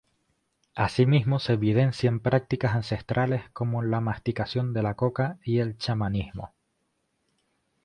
Asimismo se evidencian prácticas ancestrales como la masticación de la coca y el chamanismo.